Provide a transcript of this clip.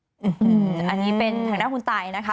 อันนี้เป็นทางด้านคุณตายนะคะ